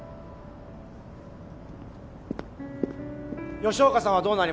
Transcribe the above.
吉岡さんはどうなりますか？